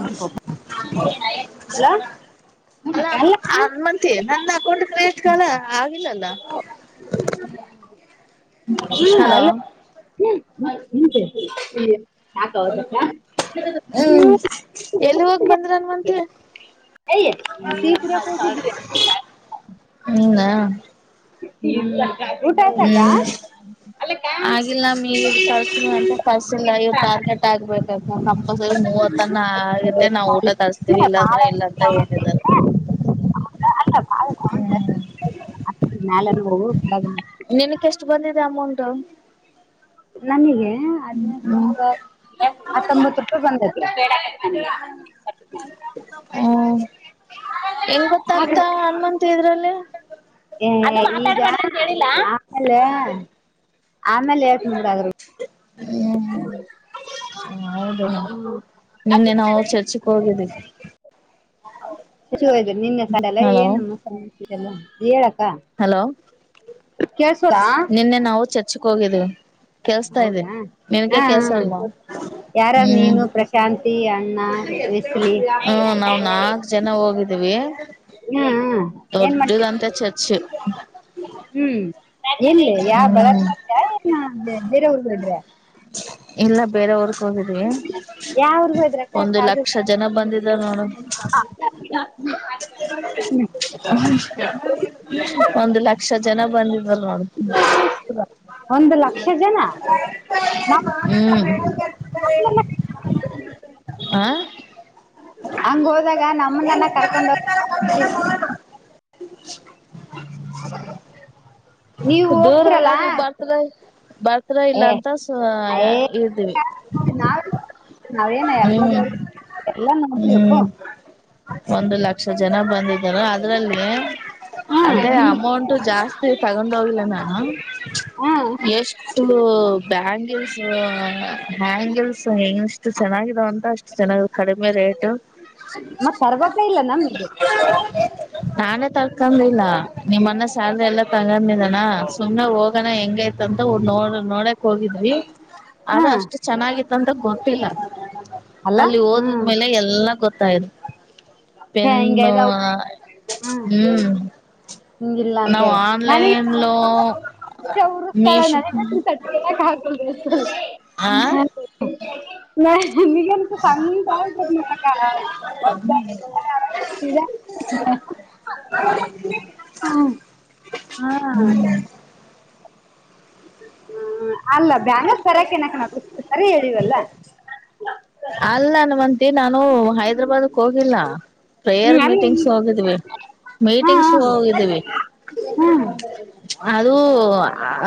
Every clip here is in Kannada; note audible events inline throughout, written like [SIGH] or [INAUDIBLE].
ಅಲ್ಲ ಅಲ್ಲ ಹಲೋ ಹನುಮಂತಿ ನಂದ ಅಕೌಂಟ್ ಕ್ರಿಯೇಟ್ ಕಾಲ ಆಗಿಲ್ಲಲ್ಲ. ಹಲೋ. ಸಾಕ ಅವ [INAUDIBLE] ಹ್ಮ್ ಎಲ್ಲಿ ಹೋಗ ಬಂದ್ರದ್ರಿ. ಹನುಮಂತಿ? ಟೀ ಕುಡಿಯೊಕೊ ಹೋಗಿದ್ವಿ. ನೀನಾ? ಇಂದ. ಹ್ಮ್ ಆಗಿಲ್ಲ ಮಿ ಇವ್ರ್ ಕಳ್ಸ ಅಂತ ಕರ್ಸಿಲ್ಲ ಇವತ್ತುಗ ಹಂಗೇ ಆಗ್ಬೇಕಂತ [UNINTELLIGIBLE] ಕಂಪಲ್ಸರಿ ಮೂವತ್ತನ ಹಾಗುತ್ತೆ ನಾವು ಊಟ ತರಿಸಸ್ತೀವಿ ಇಲ್ಲ, ಬಾಳ ಇಲ್ಲಾಂದ್ರೆ ಇಲ್ಲ ಅಂತ ಹೇಳಿದಾರೆ. ಹೌದ ಅಲ್ಲ ಬಾಳ ಸೌಂಡ್ ಜಾಸ್ತಿ. [INAUDIBLE] ಹತ್ರರು ಮಯ್ಯ್ಲೆಗ್ಲಾವು ಕೆಳಗಿನವು. [UNINTELLIGIBLE] ನಿನಕ್ ಎಷ್ಟು ಬಂದಿದೆ ಅಮೌಂಟ್? ನನಗೆ ಹ್ಮ್ ಹದಿನೆಂಟ್ನೂರು. ಹತ್ತೊಂಬತ್ ರೂಪಾಯಿ ಬಂದೈತಿ. ಹ್ಮ ಹೆಂಗ್ ಗೊತ್ತಾಗ್ತಾ ಹನುಮಂತಿ ಇದ್ರಲ್ಲಿ. ಹಂಗ್ ಮಾತಾಡ್ಬೇಡಾಂತ ಹೇಳ್ಲಿಲ್ಲ. ಆಮೇಲೆ ಹೇಳ್ತಿನಿ ಬೇ ಆದ್ರು ಹೌದ ನಿನ್ನೆ ನಾವು ಚರ್ಚಕ್ ಹೋಗಿದ್ದೀವಿ. ಶುಚಿ ಹ್ದ ನಿನ್ನೆ ಸಡೆಲ್ಲ ಹಲೋ ಏನು ಮೊಸತಲ್ಲ ಹೇಳಕ್ಕ [UNINTELLIGIBLE] ಹಲೋ ಕೇಳ್ಸೋದಾ ನಿನ್ನೆ ನಾವು ಚಾರ್ಚಕ್ ಹೋಗಿದ್ವಿ ಕೆಲ್ಸ್ತಾ ಇದೇ ಹೌದಾ ನಿನ್ಗೆ ಕೆಲ್ಸ ಅಲ್ವಾ? ಯಾರಾರ್ ನೀನು, ಪ್ರಶಾಂತಿ, ಅಣ್ಣ, ವಿಸಿಲಿ, ಎಲ್ಲ ಹೋಗಿದೀವಿ ಹ್ಮ್ ಹ ದೊಡ್ಡದಂತ ಚರ್ಚ್ ಹ್ಮ್ ಎನ್ ಯಾ ಬಡತ್ ಹ್ಮ್ ಚರ್ಚ ಏನ ಬೇರೆವ್ರ ಬಿೇಡ್ರೆ [UNINTELLIGIBLE] ಇಲ್ಲ ಬೇರೆವರ್ಗೆ ಹೋಗಿದ್ವಿ ಯಾವ ಊರ್ಗ್ ಹೋದ್ರಕ್ಕ ಒಂದು ಲಕ್ಷ ಜನ ಬಂದಿದ್ದಾರ್ ನೋಡು? ಹ [INAUDIBLE] ಒಂದು ಲಕ್ಷ ಜನ ಬಂದಿದರ್ ನೋಡು ಒಂದು ಲಕ್ಷ ಜನ? ನಮ್ ಹ್ಮ್ ಆ ಹಂಗ ಹೋದಾಗ ನಮ್ಮನನ್ನ ಕರ್ಕೊಂಡೋಗ ನೀವು ದೂರಲ್ಲ ಹೋಗ್ತಿರಲ್ಲ ನೀವ ಬರ್ತರೇ ಬರ್ತ್ರ ಇಲ್ಲ ಏ ಅಂತ ಸುಮ್ನೆ ಏ ಇರ್ತೀವಿ ನಾವ್ ನಾವೇನ ಎಲ್ಲ ಎಲ್ಲ ನೋಡ್ತಿವಿ ಅಪ್ಪು ಹ್ಮ್ ಒಂದು ಲಕ್ಷ ಜನ ಬಂದಿದರು ಅದ್ರಲ್ಲಿ ಹ್ಮ್ ಅದೆ ಅಮೌಂಟ್ ಜಾಸ್ತಿ ತಗೊಂಡ್ ಹೋಗಿಲ್ಲ ನಾನು. ಹ್ಮ್ ಎಷ್ಟು ಬ್ಯಾಂಗಲ್ಸ್ ಹ್ಯಾಂಗಲ್ಸ್ ಎಷ್ಟ ಎಷ್ಟು ಚೆನ್ನಾಗಾಗಿದವೇ ಅಂತ ಅಷ್ಟು ಚೆನ್ನಗ್ ಇದಾ ಕಡಿಮೆ ರೇಟ್ [INAUDIBLE] ಮತ್ ತರ್ಬೇಕ ಇಲ್ಲ ನಮಗೆ ನಾನೇ ತರ್ಕೊಂಡಿಲ್ಲ ನಿಮ್ಮನ್ನ ಸ್ಯಲ್ರಿ ಎಲ್ಲ ತಗೊಂಡ ಸುಮನೆ ಹೋಗೋಣ ಹೆಂಗಯತ ಅಂತ ನೋ ನೋಡಕ್ ಹೋಗಿದ್ವಿ ಅದು ಹ್ಮ್ ಅಷ್ಟು ಚೆನ್ನಾಗಿತ್ತ ಅಂದ ಗೊತ್ತಿಲ್ಲ ಅಲ್ಲ ಅಲ್ಲಿ ಹ್ಮ್ ಓದದ್ಮೇಲೆ ಎಲ್ಲಾ ಗೊತ್ತಾಯತ್ ಛೆ ಹಿಂಗ ಪೆನ್ನ್ನು ಇದಾವ ಹ್ಮ್ ಹ್ಮ್ ಇಲ್ಲಾ ನಾವು ಅಂತೇಳಿ ನ ಉ್ತಾಳ ನ ಹಾಕ [UNINTELLIGIBLE] ನ ನಿಗನು ಚಲಿಾವದ [UNINTELLIGIBLE] [UNINTELLIGIBLE] ಹ [INAUDIBLE] ಹ್ಮ ಹಾ ಹ್ಮ ಅಲ್ಲ ಬ್ಯಾಂಗಲ್ ಸರಿಯಕ ಏನಕ ನ ಸರಿ ಹೇಳಿವವಲ್ಲ ಅಲ್ಲಾನ ನಾನು ಹೈದ್ರಾಬಾದಕ್ ಹೋಗಿಲ್ಲ ಪ್ರೇಯರ್ ಹ್ಮ್ ಅಲ್ಲಿ ಮೀಟಿಂಗ್ಸ್ ಹೋಗಿದ್ವಿ. ಮೀಟಿಂಗ್ಸ್ ಹೋಗಿದ್ದೀವಿ. ಹ್ಮ್ ಅದು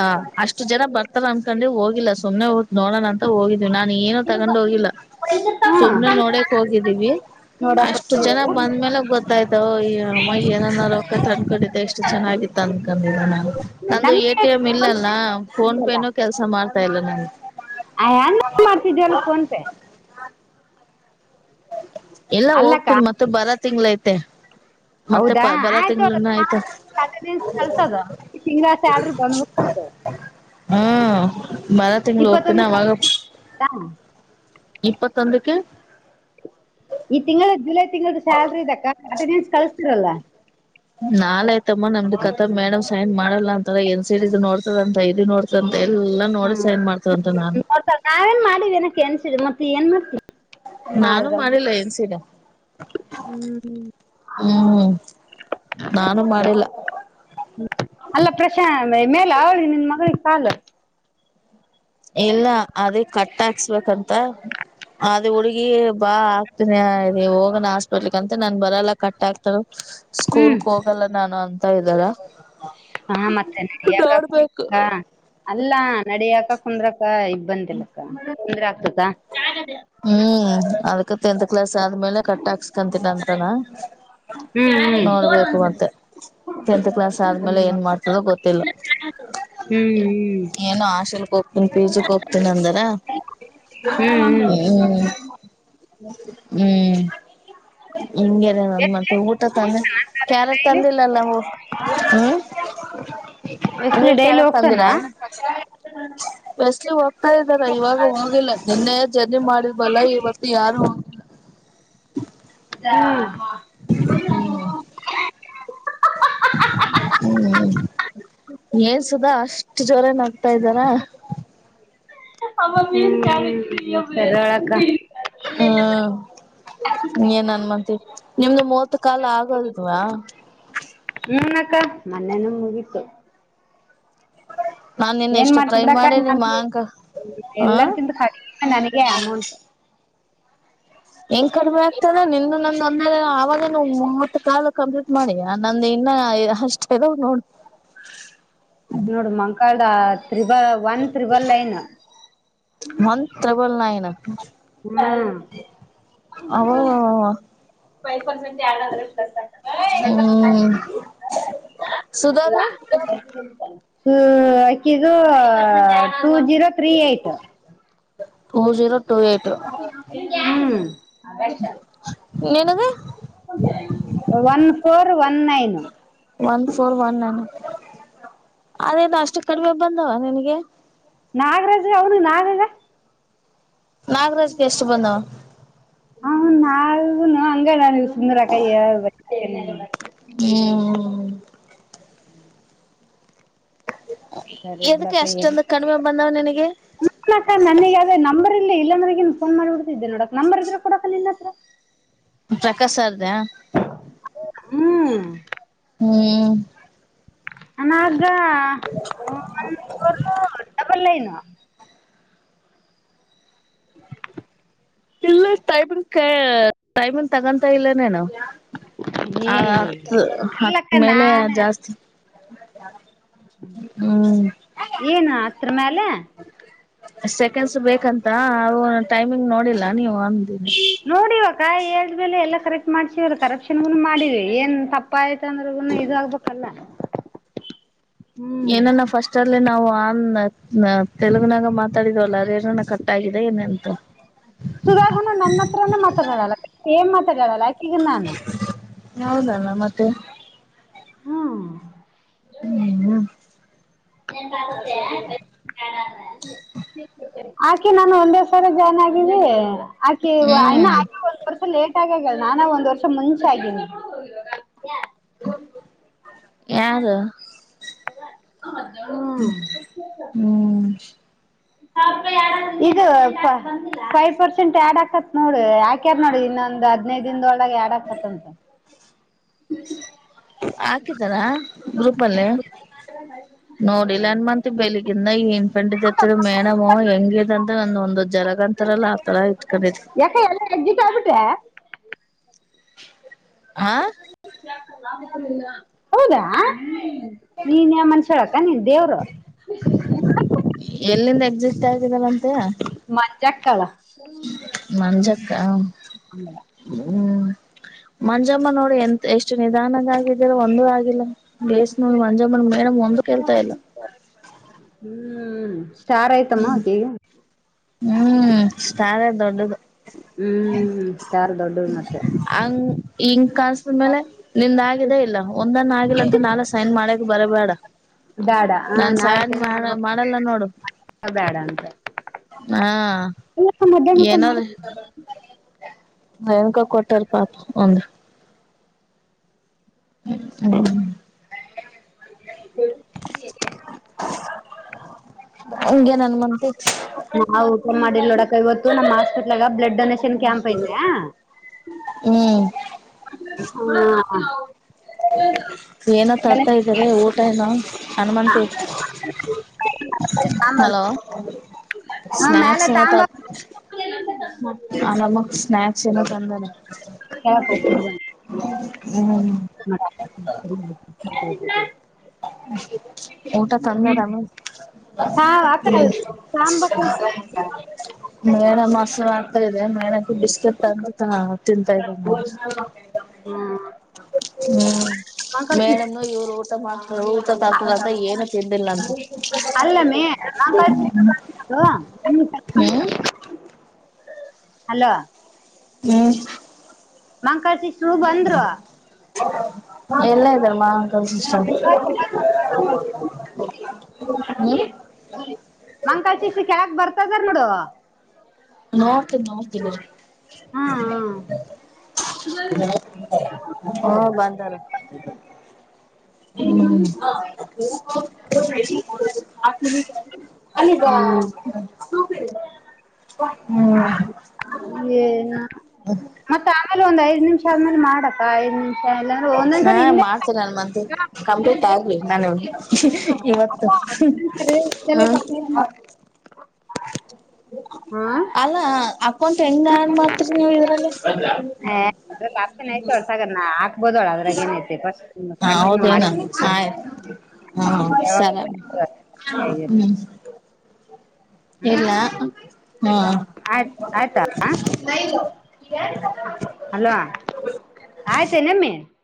ಅ ಅಷ್ಟು ಜನ ಬರ್ತಾರ ಅನ್ಕೊಂಡ್ರೆ ಹೋಗಿಲ್ಲ ಸುಮ್ಮ್ನೆ ಹೋಗದ ನೋಡೋಣ ಅಂತ ಹೋಗಿದ ಇದು ನಾನು ಏನು ತಗೊಂಡ್ ಹೋಗಿಲ್ಲ. ಒ [UNINTELLIGIBLE] ಸುಮ್ನೆ ನೋಡಕ್ ಹೋಗಿದ್ದೀವಿ. ನೋಡಕ್ ಅಷ್ಟು ಜನ ಬಂದ ಮೇಲೆ ಗೊತ್ತಾಯ್ತವು ಈ ಮೈ ಏನರೋಕ ತಂದ್ಕೊಂಡಿದ್ದೆ ಎಷ್ಟು ಚೆನ್ನಾಗಿತ್ತು ತಂದ್ಕಂಡಿಲ್ಲ ನ ನಂದು ಎ. ನಮಗೆ ಟಿ. ಎಂ ಇಲ್ಲಲ್ಲ ಫೋನ್ ಪೇನೂ ಕೆಲಸ ಮಾಡ್ತಾ ಇಲ್ಲ ನನ್ಗೆ ಐ ಅಣ್ಣ ಮಾಡ್ತಿದವಲ್ಲ ಫೋನ್ ಪೇ ಮ [INAUDIBLE] ಎಲ್ಲಾ ಅಲ್ಲಕ್ಕ ಹೋಗ್ತಿವ್ ಮತ್ತ ಬಾರ್ ತಿಂಗ್ಳ ಐತೆ ಮತ್ತೆ ಹೌದಾ ಪ ಬರ ಆಯ್ತು ತಿಂಗ್ಳನ ಆಯ್ತ ಕಳ್ಸೋದತ್ತೆ ತಿಂಗಗಳ ಸ್ಯಲ್ ಬಂದ್ಬ [UNINTELLIGIBLE] ಹ್ಮ ಬಾರ ತಿಂಗಗಳು ಹೋಗ್ತೀನೀ ಇಪ್ಪತ್ತೊಂದು ಅವಾಗ ಇಪ್ಪತ್ತೊಂದಕ್ಕೆ. ಈ ತಿಂಗಳ ಜುಲೈ ತಿಂಗಳದ ಸ್ಯಲ್ರಿ ಇದಕ್ಕ ಅಟೆಂಡೆನ್ಸ್ ಕಳಸ್ತಿರಲ್ಲ. ನಾಳೆ ಆಯ್ತಮ್ಮ ನಮ್ದು ಕಥಾ ಮೇಡಮ್ ಸೈನ್ ಮಾಡಲ್ಲ ಅಂತ ಎನ್ ಸಡ್ ಇದು ನೋಡ್ತದ ಅಂತ ಇದು ನೋಡ್ ಎಲ್ಲಾ ನೋಡಿ ಹ್ಮ್. ಸೈನ್ ಮಾಡ್ತದಂತೆ ನಾನು ನೋಡ್ತಾರೆ. ನಾವೇನ್ ಮಾಡೀವಿ ಏನ್ ಕೇನ್ಸಿ ಮತ್ತ ಏನ್ ಮಾಡ್ತೀವಿ ನಾನು ಮಾಡಿದ್ರಮ್ಮ ಮಾಡಿಲ್ಲ ಏನ್ಸನಾ ಹ್ಮ್ ಹ್ಮ್ ನಾನು ಮಾಡಿಲ್ಲ? ಅಲ್ಲ ಪ್ರಶಾಂತ್ ಮೇಲೆ ಅವಳಿಗೆ ನಿನ್ ಮಗಳಿಗೆ ಕಾಲು ಇಲ್ಲ ಅದೇ ಕಟ್ ಹಾಕ್ಸ್ಬೇಕಂತ. ಅದ ಹುಡ್ಗಿ ಬಾ ಆಗ್ತನಿ ನೀ ಹೋಗಣ ಹಾಸ್ಪೆಟ್ಲ್ಕ್ ಅಂತ ನಾನ್ ಬರಲ್ಲ ಕಟ್ಟ ಆಕ್ತ ಹ್ಮ್ ಸ್ಕೂಲ್ಕ್ ಹೋಗಲ್ಲ ನಾನು ಅಂತ ಇದಾರ ಹಾ ಮತ್ತೆ ನಡೆಯಕ [UNINTELLIGIBLE] ಅಲ್ಲಾ ನಡಿಯಕ ಕುಂದ್ರಕ್ಕ ಇಬ್ಬಂತಿಲ್ಲಕ್ಕ ಕುಂದ್ರ ಆಗ್ತದ ಹ್ಮ್ ಅದ್ಕ ಟೆಂತ್ ಕ್ಲಾಸ್ ಆದ್ಮೇಲೆ ಕಟ್ ಹಾಕ್ಸ್ಕಂತಿನ ಅಂತನ ಹ್ಮ್ ನೋಡ್ಬೇಕು ಮತ್ತೆ ಟೆಂತ್ ಕ್ಲಾಸ್ ಹ್ಮ್ ಆದ್ಮೇಲೆ ಏನ್ ಮಾಡ್ತಳೋ ಗೊತ್ತಿಲ್ಲ? ಹ್ಮ್ ಏನು ಹಾಶೆಲ್ಕ್ ಹೋಗತೀನಿ ಪಿ. ಜಿಕ್ ಹೋಗ್ತೀನ ಅಂದಾರ ಹ್ಮ್ ಹ್ಮ್ ಹೆಂಗೆ ಮತ್ತೆ ಎಷ್ಟ ಊಟತಾನೇ ಕ್ಯಾರೆಟ್ ಡೈಲಿ ತಂದಿಲ್ಲಲ್ಲ ಊ ಹ್ಮ್ ಎಸ್ಲಿ ನೀವು ಡೈಲಿ ಕ್ಯಾರರ್ ಹೋಗ್ತಾನ ತಂದಿರಾ? ಬಸ್ಲಿ ಹೋಗ್ತಾ ಇದ್ದಾರ ಇವಾಗ ಹೋಗಿಲ್ಲ ನಿನ್ನೆ ಜರ್ನಿ ಮಾಡಿದ್ಬಲ್ಲ ಇವತ್ತು ಯಾರು ಹೋಗ ಹ್ಮ್ ಹ್ಮ್ ಏನ್ ಸುದಾ ಅಷ್ಟು ಜೋರ ನ ತ ಇದಾರಾ? ಹಳ [UNINTELLIGIBLE] ಹ್ಮ ಏನ್ ಅನ್ಮಂತಿ ನಿಮ್ದು ಮೂವತ್ ಕಾಲ ಆಗಲ್ದವಾ ಹ್ಮ ಅಕ್ಕ ಮೊನ್ನೆನೇ ಮುಗಿತ್ತು ನಾನ್ ನಿನ್ ಏನ್ ಎಷ್ಟು ಮಾಡ್ತ ಟ್ರೈ ಬಿಡಕ ಮಾಡೀನಿ ಮಾಂಕ ಹ ಎಲ್ಲರಕ್ಕಿಂತ ನನಿಗೆ ಕಡಿಮೇ ನನಗೆ ಅಮೌಂಟ್ ಹೆಂಗ್ ಕಡಿಮೆ ಆಗ್ತದೆ ನೀನಂದು ನಂದು ಅವಾಗ ಮೂವತ್ ಕಾಲ ಕ ಮಾಡಿಯ ನಂದು ಇನ್ನ ಅಷ್ಟ ಅದವ ನೋಡು ನೋಡ ಮಂಕಾಳದ ತ್ರಿಬಲ್ ಒನ್ ತ್ರಿಬಲ್ ಲೈನ್ ಮಂತ್ರ [UNINTELLIGIBLE] ಬಲ್ ನನ ಹಾ.... ಫೈವ್ ಪರ್ಸೆಂಟ್ ಆಯರ್ [INAUDIBLE] ಪ್ಲಸ್ ಆಗ್ತಲ್ಲ ಹ್ಮ್ ೈರ್ ಇಲ್ಲ ಸುಧಾದು [UNINTELLIGIBLE] ಹ್ಮ್ ಹಾಕ್ಕಿದು two zero three eight tour zero two eight. ಹ್ಮ್ ನಿನೀಗ? One four one nine. One four one ನನ್ ಅದೇನು ಅಷ್ಟು ಕಡಿಮೆ ಬಂದವ ನಿನಗೆ. ನಾಗರಾಜ ಅವರು ನಾಗರ ನಾಗರಾಜ್ಗ್ ಎಷ್ಟು ಬಂದಾವ? ಹ ನಾನು ಹಂಗ ನವು ಸುಂದರ ಕೈ [UNINTELLIGIBLE] [INAUDIBLE] [INAUDIBLE] ಸರಿ ಎದಕ್ಕೆ ಎಷ್ಟೊಂದು ಕಡಿಮೆ ಬಂದಾವ ನಿನಗೆ? ಹ ಅಕ್ಕ ನನಗದೇ ನಂಬರ್ ಇಲ್ಲಿ ಇಲ್ಲಂದ್ರಗನ್ ಫೋನ್ ಮಾಡಿಡ್ದ್ದೆ ನೋಡಕ್ ನಂಬರ್ ಇದ್ರ ಕೊಡಕಕ್ ನಿನ್ನ ಹತ್ರ. ಪ್ರಕಾಶ ಸರ್ ದಾ ಹ್ಮ್. ಹ್ಮ್. ಅಣ್ಣ ಅದ ಒನ್ ಫೋರ್ ಡಬಲ್ ನೈನ್ ಇಲ್ಲ ಟೈಮಿಂಗ್ ಟೈಮಿಂಗ್ ತಗೊಂತ ಇಲ್ಲನೆೇನ ಅವ್ನು ಆ ಏ ಹತ್ತು ಅಲ್ಲಕ್ಕ ಹತ್ತು ಮೇಲೆ ನಾನ ಜಾಸ್ತಿ ಹ್ಮ್. ಏನು ಹತ್ರ ಮೇಲೆ ಸೆಕೆಂಡ್ಸ್ ಬೇಕಂತ ಅವು ಟೈಮಿಂಗ್ ನೋಡಿಲ್ಲ ನೀವು ಅಂದ ನೋಡಿವಕ್ಕ ಹೇಳ್ಮೇಳೆ ಎಲ್ಲಾ ಕರೆಕ್ಟ್ ಮಾಡ್ಸವ ಕರೆಪ್ಕ್ಷನ್ಗನು ಮಾಡಿ ಏನ್ ತಪ್ಪ ಆಯತು. ಅಂದ್ರುನೂ ಇದ ಆಗ್ಬೇಕಲ್ಲ. ಏನೇನೋ ಫಸ್ಟ್ ಅಲ್ಲಿ ನಾವು ಆನ್ ತೆಲುಗುನಾಗ ಮಾತಾಡಿದ್ವಲ್ಲ ಅದೇನಾನ ಕಟ್ ಆಗಿದೆ ಏನ ಅಂತ. ಸುಾಗನು ನನ್ನ ಹತ್ರನ ಮಾತಾಡಲ್ಲ ಏಮ್ ಮಾತಾಡೆಲ್ಲ ಯಾಕೆ ಹೌದಲ್ಲ ಮತ್ತೆ. ಹ್ಮ್ ನಂದ ಆಗುತ್ತೆ. ಆಕೆ ನಾನು ಒಂದೇ ಸರೆ ಜಾಯ್ನ್ ಆಗಿವಿ. ಆಕೆ ಇನ್ನು ಹ್ಮ್ ಆಕೆ ಒಂದ್ ವರ್ಷ ಲೇಟ್ ಆಗಾಗಲ್ಲ ನಾನ ಒಂದ್ ವರ್ಷ ಮುಂಚೆ ಆಗನಿ. ಯಾರು ಹ್ಮ್. ಹ್ಮ್. ಇದು ಪೈಪ್ ಪರ್ಸೆಂಟ್ ಆಡ್ ಆಕತತ್ ನೋಡ ಯಾಕ್ಯಾರ್ ನೋಡಿ ಇನ್ನೊಂದ್ ಹದಿನೈದ ದಿನದೊಳಗ ಒಳಗ್ ಆ್ಯಡ್ ಅಕ್ಕೆತ್ ಅಂತ. ಹಾಕಿದ್ದಾರಾ? ಗ್ರೂಪ್ ಅಲ್ಲೇ ನೋಡಿಲ್ಲ ಅನ್ ಮತ್ ಬೆಳಿಗ್ಗೆ ಇಂದ ಏನ್ ಪಂಡಿದತಿ ಮೇರಮ ಹೆಂಗಿದ ಅಂತ ಒಂದ ಒಂದು ಜರಗ ಅಂತಾರಲ್ಲ ಆತರ ಇಟ್ಕೊಂಡಿದ. ಕ ಎಲ್ಲ ಎಕ್ಜಿಟ್ ಆಗಬಿಟ್ಟೆ? ಹಾ ಹೌದಾ ಹ್ಮ್ ನೀನ್ಯ ಮನುಷ್ಯಾಳ ಅಕ್ಕ ನೀನ್ ದೇವ್ರು. ಎಲ್ಲಿಂದ ಎಕ್ಸಿಟ್ ಆಗಿದಲ್ಲ ಅಂತೆ. ಮಚ್ಚಾ ಕಲ್ಲ ಮಂಜಕ್ಕ ಹ್ಮ್. ಮಂಜಮ್ಮ ನೋಡಿ ಎಂತ ಎಷ್ಟು ನಿಧಾನದಾಗಿದಾಳೆ ಒಂದೂ ಆಗಿಲ್ಲ ಬೇಸ್ ನೋಡ ಮಂಜಮ್ಮ ನಮ್ಮ ಮನಿಯಾಗ ಒಂದು ಕೆಲಸ ಇಲ್ಲ. ಹ್ಮ್ ಸ್ಟಾರ್ ಆಯ್ತಮ್ಮ ಆಕೆ ಹ್ಮ್ ಸ್ಟಾರೇ ದೊಡ್ಡದು. ಹ್ಮ್. ಸ್ಟಾರ್ ದೊಡ್ಡದು ಮತ್ತೆ ಹಂಗ ಹಂಗ ಕೆಲಸದ ಮೇಲೆ ನಿಂದ ಆಗಿದ್ದೇ ಇಲ್ಲ ಒಂದನ್ನ ಆಗಿಲ್ಲ ಅಂತ ನಾಳೆ ಸೈನ್ ಮಾಡ್ಯಕ್ ಬರಬೇಡ. ಬ್ಯಾಡ ಹ ನಾನ್ ನಾಳಕ್ ಸೈನ್ ಏನ್ ಮಾಡ ಮಾಡ್ಬೇಕ ಮಾಡಲ್ಲ ನೋಡು. ಬ್ಯಾಡ ಅಂತ ಹಾ ಇಲ್ಲಕ್ಕ ಮಧ್ಯಾಹ್ನ ಊಟ ಏನಾರ ಮಾಡ ಏನ್ಕ ಕೊಟ್ಟಾರ ಪಾಪ ಒಂದ್ ಹ್ಮ ಹ್ಮ್ ಹಂಗೆ ನನಗ್ ಮನ್ಸಿಗ್ ನಾವು ಊಟ ಮಾಡಿಲ್ಲ್ ನೋಡಕ್ಕಾ ಇವತ್ತು ನಮ್ಮ ಹಾಸ್ಪಿಟ್ಲ್ ಬ್ಲಡ್ ಡೊನೇ ಸನ್ ಕಂಪ್ ಐತೆ ಹ್ಮ್ ಏನ ತರ್ತಾ ಇದ್ದಾರೆ ಊಟ ಏನೋ ಹನುಮಂತಿ ಹ [INAUDIBLE] ಹಾ ಮ್ಯಾಲ ಸ್ನಾಯಕ್ಸ್ ಏನೋ [INAUDIBLE] ಆ ನಮ್ಮಕ್ ಸ್ನಾಯಕ್ಸ್ ಏನ ತಂದಾನ ಹ್ಮ್ ಹರಿ [UNINTELLIGIBLE] [UNINTELLIGIBLE] ಊಟ ತೊಂದಾರಾಮ ಹಾ ಅಕ್ಕ ಹ್ಮ ಸಾಂಬಕ್ಕ ಮೇಣ ಮಸಾಲ ಆಗ್ತಾ ಇದೆ ಮೇಣಕ್ಕ ಬಿಸ್ಕೆಟ್ ಅಂತ ತಿಂತಾ ಇದ [UNINTELLIGIBLE] ಹ್ಮ ಹ್ಮ್ ಸಿಸ್ ಮೇಡಮ ಇವರು ಊಟ ಮಾಡ್ ಊಟಕ್ ಅಕಿಲ್ಲ ಅಂತ ಏನು ತಿಂದಿಲ್ಲಂತ [UNINTELLIGIBLE] ಹ್ಮ್ ಹಾ ಹಲೋ ಹ್ಮ್ ಮಂಕಳ್ ಸಿಸ್ಟ್ರು ಬಂದ್ರು ಎಲ್ಲಾ ಇದ್ದಾರಮ್ಮ ಮಾಂಕಾಳ್ ಸಿಸ್ಟ್ರ್ ಹ್ಮ ಮಂಕಾಳ್ ಸಿಸ್ಟ್ರ್ ಕೆಳಗ್ ಬರ್ತ ಇದರ್ ನೋಡ ನೋಡ್ತಿನ್ ನೋಡ್ತನೀ ಹ್ಮ್ ಹ್ಮ ಬಂದರ ಹ್ಮ್ [INAUDIBLE] ಅಲ್ಲಿಗ ಹ್ಮ್ ಹ್ಮ್ ಏನಾ... ಹ್ಮ ಮತ್ತ ಆಮೇಲೆ ಒಂದು ಐದ ನಿಮಿಷ ಆದ್ಮೇಲೆ ಮಾಡಕ್ಕಾ ಐದ ನಿಮಿಷ ಮ ಎಲ್ಲ್ರರು ಹಾ ಒಂದೊಂದ್ಸರಿ ಹಿಂದೆ ಮಾಡ್ತೀನಿ ನನ್ ಮಂತ್ ಕಂಪ್ಲೀಟ್ ಆಗ್ಲಿ ನಾನು ಇವತ್ತು ಹ್ಮ ಹಾ ಅಲ್ಲ ಅಪ್ ಕವನ್ಟ್ ಹೆಂಗ ಏನ್ ಮಾಡ್ತರಿ ನೀವ್ ಇದ್ರಲ್ಲಿ ಲಪ್ಸ ನ ಅರ್ಸನ್ನ ಆ [UNINTELLIGIBLE] ೋದಳ ಅದ್ರಾಗ ಏನೈತೆ ಸ್ಟ್ ಹ ಕಂಟಿನ್ಯೂ ಮಾಡಿ ಹೌದೇನ [UNINTELLIGIBLE] ಆಯ್ತು ಹಾ ಯಾವಾಗ ಸರಿ ಹ್ಮ್ ಹ್ಮ್ ಇಲ್ಲ ಹಾ.. ಆಯ್ತು ಆಯ್ತಾ ಹಲೋ ಆಯ್ತ ನಮ್ಮಿ?